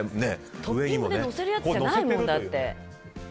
トッピングでのせるやつじゃないもん。